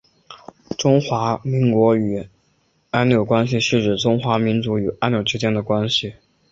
中华民国与纽埃关系是指中华民国与纽埃之间的关系。